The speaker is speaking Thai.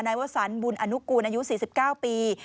วสันบุญอนุกูลอายุ๔๙ปี